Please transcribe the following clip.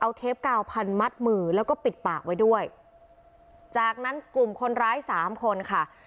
เอาเทปกาวพันมัดมือแล้วก็ปิดปากไว้ด้วยจากนั้นกลุ่มคนร้ายสามคนค่ะ